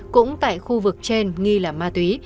cũng tại khu vực trên nghi là ma túy